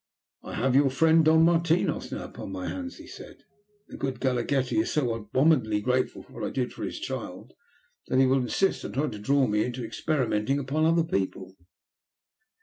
"I have your friend, Don Martinos, now upon my hands," he said. "The good Galaghetti is so abominably grateful for what I did for his child, that he will insist on trying to draw me into experimenting upon other people."